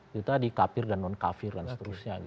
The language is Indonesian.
kita di kafir dan non kafir dan seterusnya